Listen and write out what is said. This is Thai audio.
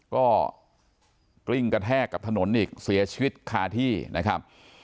ก็กลิ้งกระแทกกับถนนอีกเสียชีวิตคาที่นะครับ